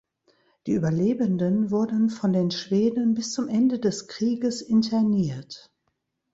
Die Überlebenden wurden von den Schweden bis zum Ende des Krieges interniert.